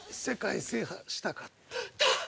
世界制覇したかった。